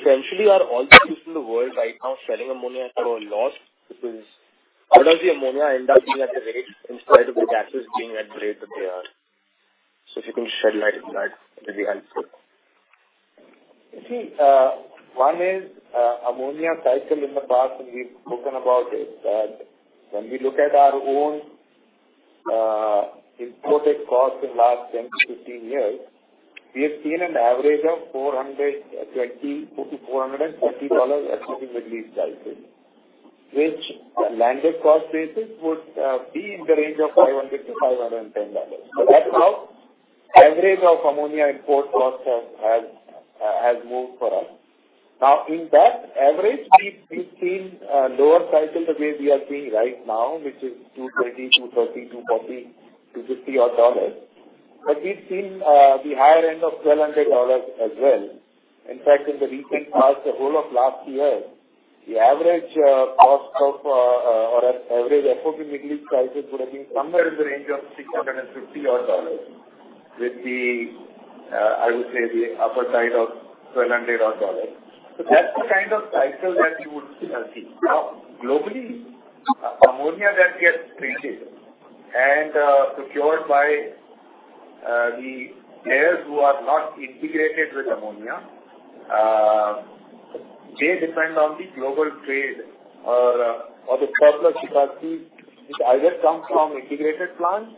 Essentially, are all the in the world right now selling ammonia at a loss, because how does the ammonia end up being at the rate in spite of the gases being at the rate that they are? If you can shed light on that, it'll be helpful. You see, one is ammonia cycle in the past, and we've spoken about it. When we look at our own imported cost in last 10-15 years, we have seen an average of $400 to actually $4,450 FOB Middle East cycle, which the landed cost basis would be in the range of $500-$510. That's how average of ammonia import cost has, has, has moved for us. Now, in that average, we've, we've seen lower cycles the way we are seeing right now, which is $230, $230, $240-$250 odd dollars, but we've seen the higher end of $1,200 as well. In fact, in the recent past, the whole of last year, the average cost of or average FOB Middle East prices would have been somewhere in the range of $650 odd dollars, with the I would say, the upper side of $1,200 odd dollars. That's the kind of cycle that you would see. Globally, ammonia that gets traded and procured by the players who are not integrated with ammonia, they depend on the global trade or the surplus capacity, which either comes from integrated plants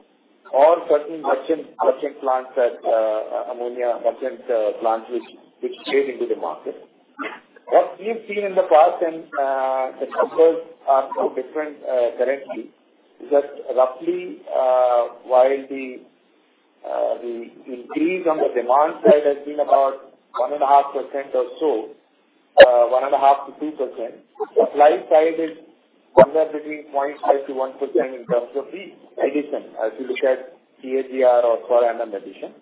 or certain merchant, merchant plants that ammonia merchant plants which trade into the market. What we've seen in the past, the numbers are no different currently, is that roughly, while the increase on the demand side has been about 1.5% or so, 1.5%-2%, supply side is somewhere between 0.5%-1% in terms of the addition, as you look at CAGR or compound addition.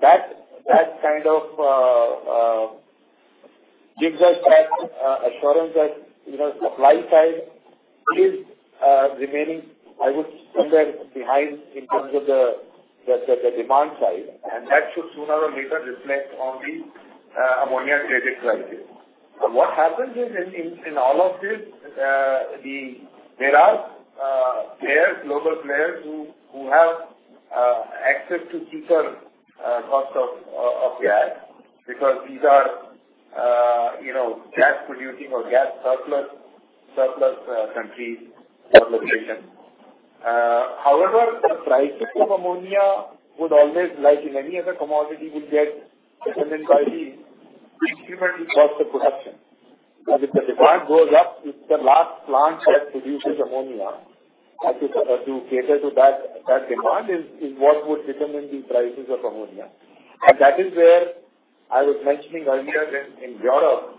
That, that kind of gives us that assurance that, you know, supply side is remaining, I would say, somewhere behind in terms of the demand side, and that should sooner or later reflect on the ammonia traded prices. What happens is in all of this, the... There are players, global players who, who have access to cheaper cost of, of, of gas, because these are, you know, gas producing or gas surplus, surplus countries or locations. However, the prices of ammonia would always, like in any other commodity, would get determined by the incremental cost of production. As if the demand goes up, if the last plant that produces ammonia, to cater to that, that demand is, is what would determine the prices of ammonia. That is where I was mentioning earlier that in Europe,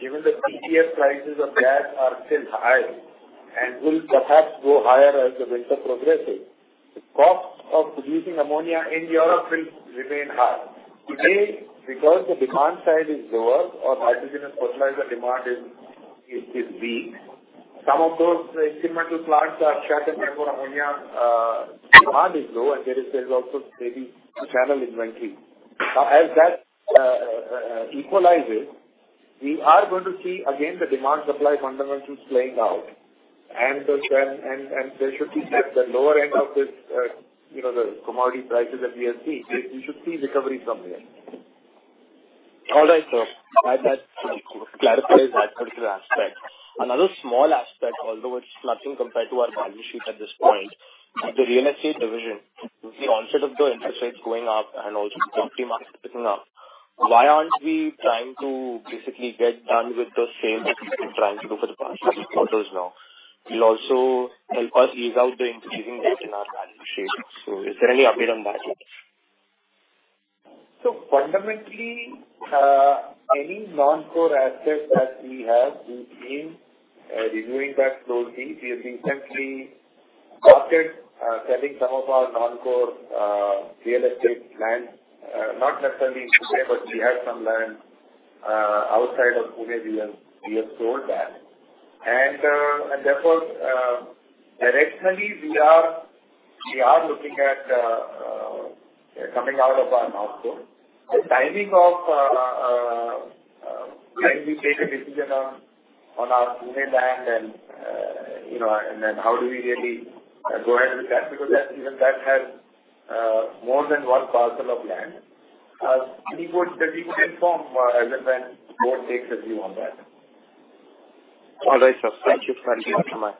given the TTF prices of gas are still high and will perhaps go higher as the winter progresses, the cost of producing ammonia in Europe will remain high. Today, because the demand side is lower or nitrogenous fertilizer demand is, is, is weak, some of those incremental plants are shut and therefore, ammonia, demand is low, and there is, there is also maybe some channel inventory. As that equalizes, we are going to see again the demand-supply fundamentals playing out, and the, and, and, and there should be at the lower end of this, you know, the commodity prices that we have seen. We, we should see recovery from there. All right, sir. That clarifies that particular aspect. Another small aspect, although it's nothing compared to our balance sheet at this point, the real estate division, with the onset of the interest rates going up and also the equity market picking up, why aren't we trying to basically get done with the same trying to do for the past quarters now? It'll also help us ease out the increasing debt in our balance sheet. Is there any update on that? Fundamentally, any non-core assets that we have, we've been reviewing that closely. We have recently started selling some of our non-core real estate land, not necessarily in Pune, but we have some land outside of Pune. We have sold that. Therefore, directionally, we are looking at coming out of our non-core. The timing of when we make a decision on our Pune land and, you know, and then how do we really go ahead with that? Because that even that has more than one parcel of land. We would inform when board takes a view on that. All right, sir. Thank you very much.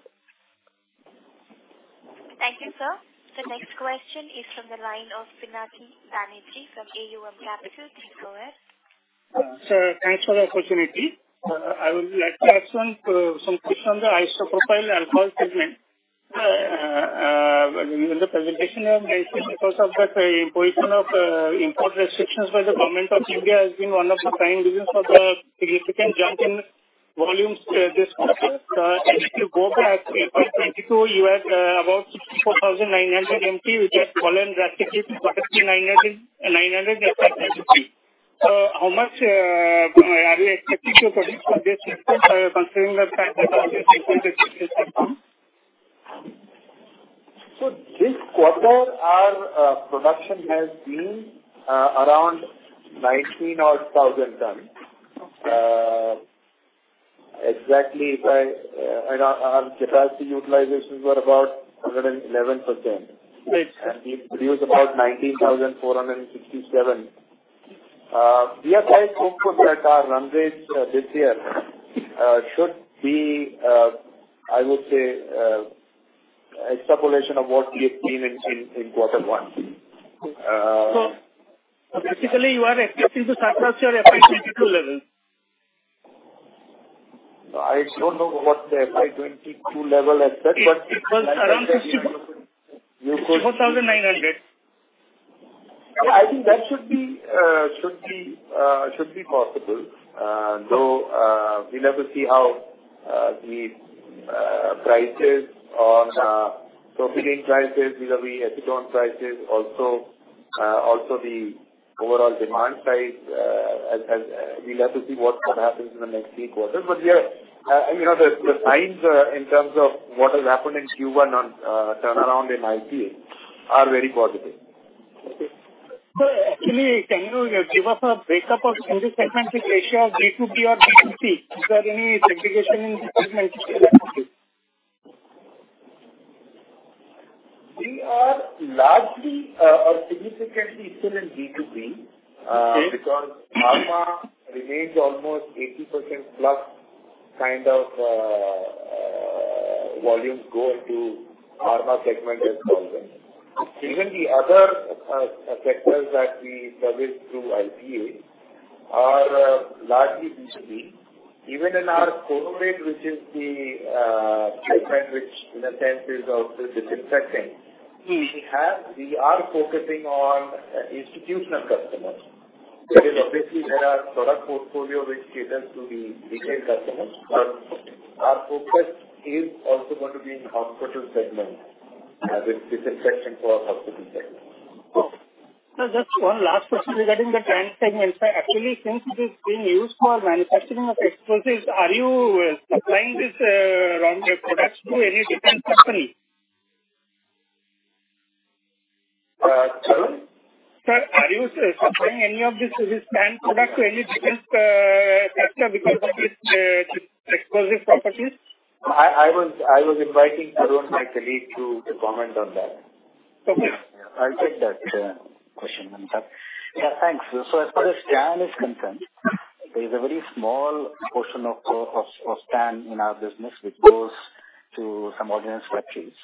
Thank you, sir. The next question is from the line of Pinaki Banerjee from AUM Capital. Go ahead. Sir, thanks for the opportunity. I would like to ask some, some questions on the isopropyl alcohol segment. In the presentation, I see because of that position of, import restrictions by the government of India has been one of the prime reasons for the significant jump in volumes, this quarter. If you go back to 2022, you had, about 64,900 MP, which has fallen drastically to 4,900 in 2023. How much, are you expecting to produce for this quarter, considering the fact that This quarter, our production has been around 19 odd thousand tons. Okay. Exactly by, our, our capacity utilizations were about 111%. Great. We produced about 19,467. We are quite hopeful that our run rate this year should be, I would say, extrapolation of what we have seen in, in, in quarter one. Basically, you are expecting to surpass your effect in 2022 levels? I don't know what the FY 22 level as such. It was around 64,900. I think that should be, should be, should be possible. Though, we'll have to see how the prices on propylene prices, vis-à-vis acetone prices also, also the overall demand side. We'll have to see what happens in the next three quarters. Yeah, you know, the signs in terms of what has happened in Q1 on turnaround in IPA are very positive. Actually, can you give us a breakup of end segment ratio, B2B or B2C? Is there any segregation in segments? We are largely, or significantly still in B2B- Okay. because pharma remains almost 80% plus kind of, volumes go into pharma segment as well. Even the other sectors that we service through IPA are largely B2B. Even in our corporate, which is the segment, which in a sense is also disinfectant, we are focusing on institutional customers. Okay. Obviously there are product portfolio which caters to the retail customers, but our focus is also going to be in hospital segment, as in disinfection for hospital segment. Cool. Just one last question regarding the TAN segment. Actually, since it is being used for manufacturing of explosives, are you supplying this raw materials products to any defense company? Sorry? Sir, are you supplying any of this, this TAN product to any defense customer because of its explosive properties? I was inviting Tarun, my colleague to comment on that. Okay. I'll take that question. Yeah, thanks. As far as TAN is concerned, there is a very small portion of, of, of TAN in our business, which goes to some ordnance factories.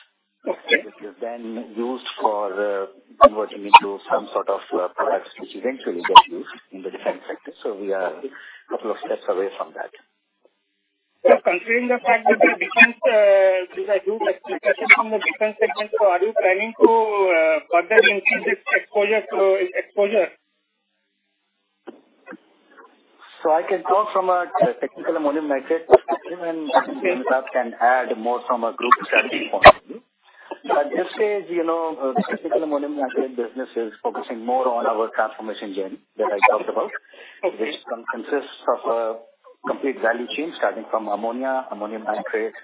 Okay. Which is then used for converting into some sort of products which eventually get used in the defense sector. We are a couple of steps away from that. Considering the fact that the defense, there's a huge expectation from the defense segment, so are you planning to further increase its exposure to exposure? I can talk from a Technical Ammonium Nitrate, and then Bhargava can add more from a group strategy point of view. This is, you know, Technical Ammonium Nitrate business is focusing more on our transformation journey that I talked about. Okay. Which consists of a complete value chain, starting from ammonia, ammonium nitrate,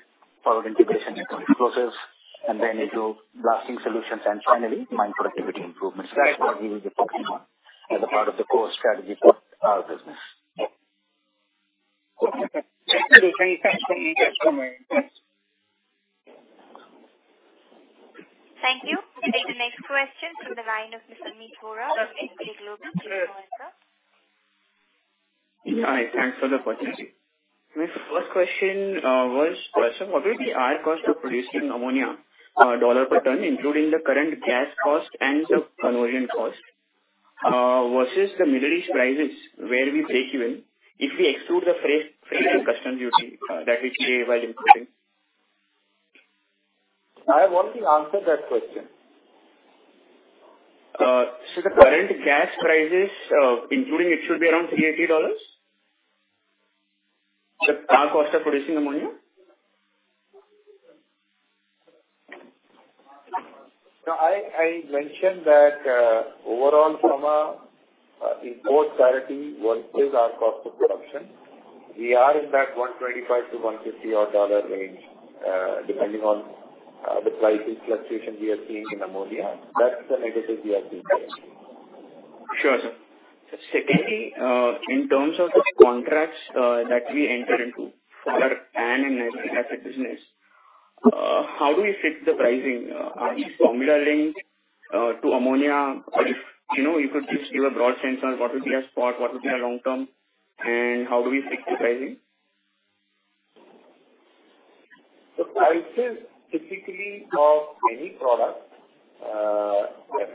forward integration into explosives, and then into blasting solutions, and finally, mine productivity improvements. Right. That's what we are focusing on as a part of the core strategy for our business. Cool. Thank you. Thanks for me. That's from my end. Thank you. We take the next question from the line of Mr. Sumeet Hora from SG Global. Hi, thanks for the opportunity. My first question was, what will be our cost to producing ammonia, $ per ton, including the current gas cost and the conversion cost, versus the Middle East prices, where we break even, if we exclude the freight, freight and custom duty, that we pay while importing? I want to answer that question. The current gas prices, including it should be around $380. The car cost of producing ammonia. No, I, I mentioned that, overall from a import parity, what is our cost of production? We are in that $125-$150 odd dollar range, depending on the pricing fluctuation we are seeing in ammonia. That's the negative we are seeing. Sure, sir. Secondly, in terms of the contracts that we enter into for an asset business, how do we fit the pricing? Are these formula linked to ammonia? Or if, you know, you could just give a broad sense on what would be a spot, what would be a long term, and how do we fix the pricing? The prices typically of any product,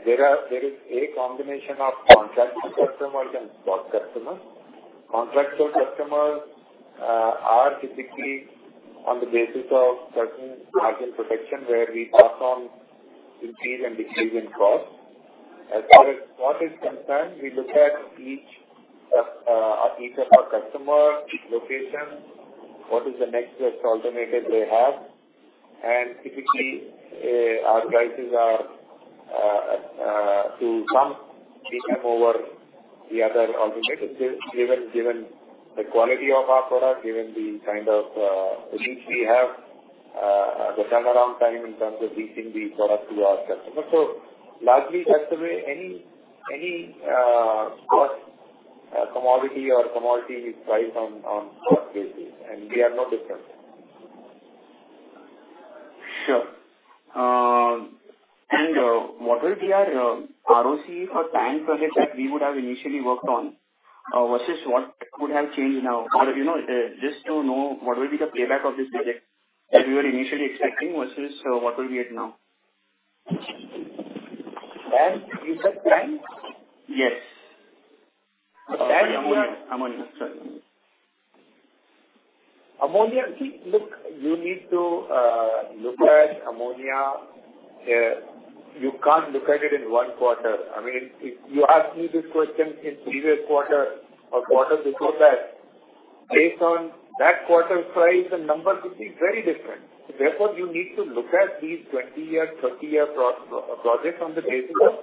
there is a combination of contract customers and spot customers. Contractual customers, are typically on the basis of certain margin protection, where we pass on increase and decrease in cost. As far as spot is concerned, we look at each, each of our customer, each location, what is the next best alternative they have, and typically, our prices are, to some PM over the other alternatives, given, given the quality of our product, given the kind of, reach we have, the turnaround time in terms of reaching the product to our customer. Largely, that's the way any, any, cost, commodity or commodity is priced on, on spot basis, and we are no different. Sure. What will be our ROC for time projects that we would have initially worked on, versus what would have changed now? You know, just to know what will be the playback of this project that we were initially expecting versus, what will be it now? You said time? Yes. Ammonia. Ammonia, sorry. Ammonia. See, look, you need to look at ammonia, you can't look at it in 1 quarter. I mean, if you asked me this question in previous quarter or quarter before that, based on that quarter price, the numbers would be very different. Therefore, you need to look at these 20-year, 30-year projects on the basis of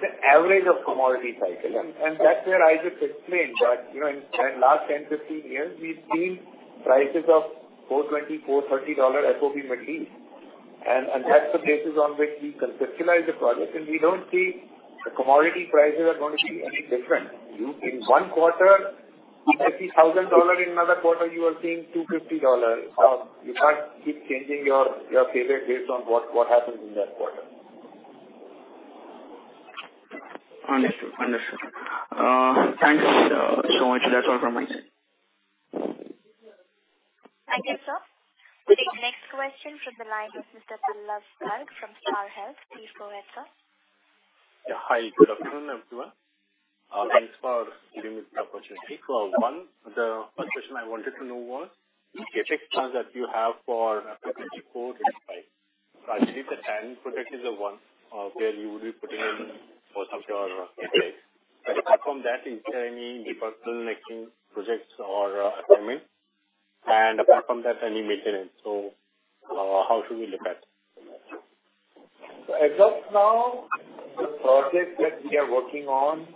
the average of commodity cycle. That's where I just explained that, you know, in, in last 10, 15 years, we've seen prices of $420-$430 FOB Middle East. That's the basis on which we conceptualize the project. We don't see the commodity prices are going to be any different. You in 1 quarter, you see $1,000, in another quarter you are seeing $250. You can't keep changing your, your favorite based on what, what happens in that quarter. Understood. Understood. Thanks, so much. That's all from my side. Thank you, sir. The next question from the line of Mr. Billas Berg from Star Health. Please go ahead, sir. Hi, good afternoon, everyone. Thanks for giving me the opportunity. The first question I wanted to know was, the CapEx plans that you have for after 2024 and 2025. I believe the TAN project is the one, where you would be putting in most of your CapEx. is there any personal making projects or assignment? any maintenance. how should we look at? As of now, the project that we are working on,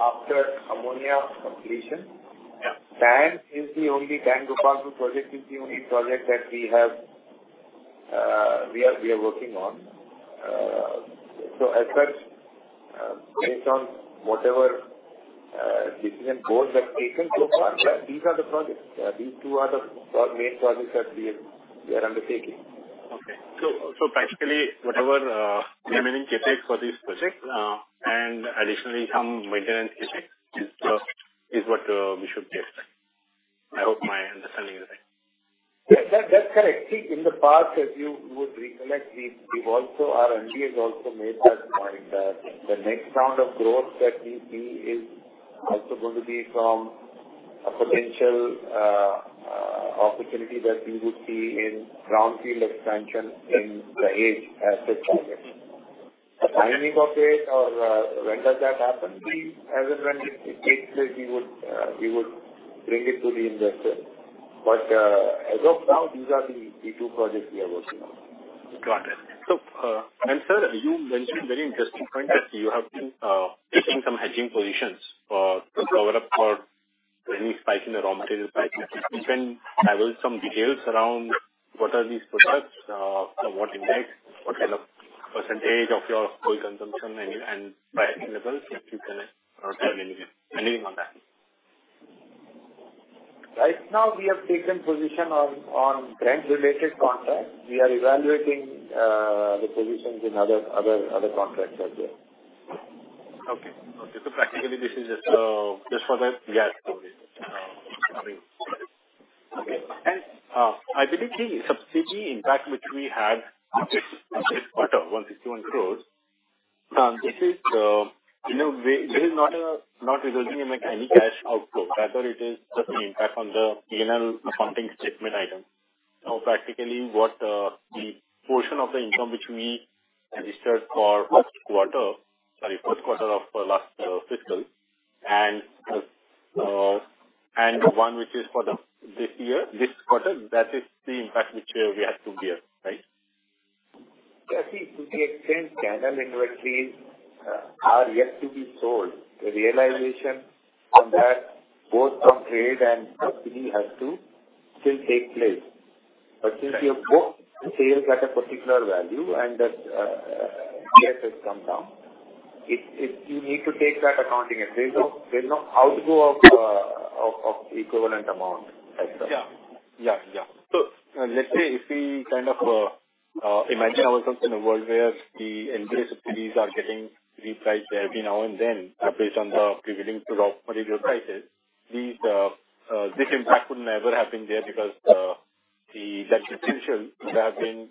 after ammonia completion- Yeah. Time is the only time Rupantu project is the only project that we have, we are, we are working on. As such, based on whatever, decision board we have taken so far, these are the projects. These two are the four main projects that we are, we are undertaking. Okay. So basically, whatever remaining CapEx for this project, and additionally some maintenance CapEx is what we should get. I hope my understanding is right. Yeah, that, that's correct. See, in the past, as you would recollect, we, we've also... Our MD has also made that point, that the next round of growth that we see is also going to be from a potential opportunity that we would see in brownfield expansion in the age asset projects. The timing of it or, when does that happen? We, as and when it takes place, we would, we would bring it to the investor. As of now, these are the, the two projects we are working on. Got it. And sir, you mentioned a very interesting point, that you have been taking some hedging positions to cover up for any spike in the raw material price. If you can have some details around what are these products, what index, what kind of percentage of your total consumption and, and pricing levels, if you can tell anything, anything on that? Right now, we have taken position on, on Brent-related contracts. We are evaluating the positions in other, other, other contracts out there. Practically, this is just for the gas storage. Okay. I believe the subsidy impact which we had this, this quarter, 161 crores, this is, you know, this is not resulting in any cash outflow, rather it is just an impact on the PNL accounting statement item. Practically, what the portion of the income which we registered for first quarter, sorry, first quarter of last fiscal, and the one which is for the this year, this quarter, that is the impact which we have to bear, right? Yeah, see, to the extent channel inventories are yet to be sold, the realization on that, both from trade and subsidy has to still take place. Since you have bought sales at a particular value and that, PS has come down, it's. You need to take that accounting. There's no, there's no outgo of equivalent amount as such. Yeah. Yeah. Yeah. Let's say if we kind of imagine ourselves in a world where the inventory subsidies are getting repriced every now and then based on the prevailing raw material prices, these, this impact would never have been there because, That potential would have been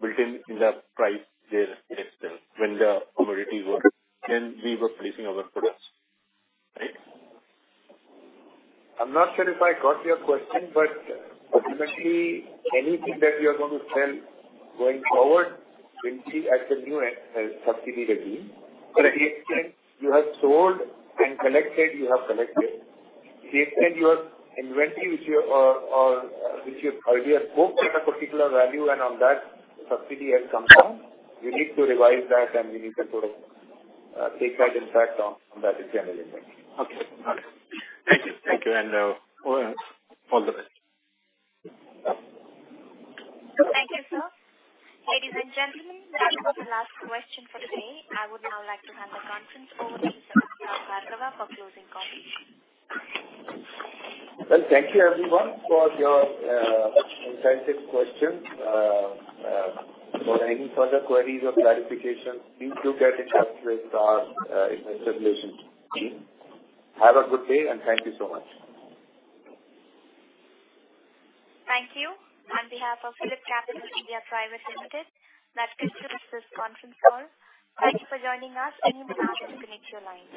built in, in the price there itself when the commodities were... When we were placing our products, right? I'm not sure if I got your question, but ultimately anything that we are going to sell going forward will see at the new end, subsidy regime. Correct. To the extent you have sold and collected, you have collected. To the extent your inventory, which you earlier spoke at a particular value, and on that subsidy has come down, we need to revise that, and we need to put, take that impact on, on that general inventory. Okay. Got it. Thank you. Thank you, and all the best. Thank you, sir. Ladies and gentlemen, that was the last question for today. I would now like to hand the conference over to Mr. Bhargava for closing comments. Well, thank you everyone for your extensive questions. For any further queries or clarifications, please look at it with our investor relations team. Have a good day, and thank you so much. Thank you. On behalf of PhillipCapital India Private Limited, that concludes this conference call. Thank you for joining us. You may now disconnect your lines.